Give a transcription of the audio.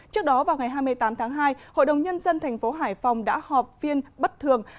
trước đó vào ngày hai mươi tám tháng hai hội đồng nhân dân thành phố hải phòng đã họp phiên bất thường